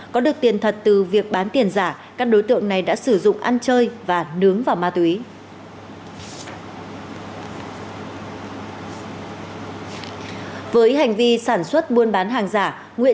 có được tiền thật từ việc bán tiền giả các đối tượng này đã sử dụng ăn chơi và nướng vào ma túy